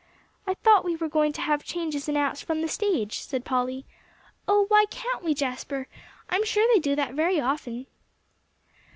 "I thought we were going to have changes announced from the stage," said Polly. "Oh, why can't we, Jasper? I'm sure they do that very often."